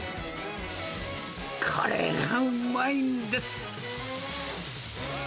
これがうまいんです。